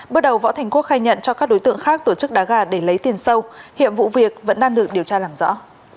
bước đầu võ thành quốc khai nhận cho các đối tượng khác tổ chức đá gà để lấy tiền sâu hiệp vụ việc vẫn đang được điều tra làm rõ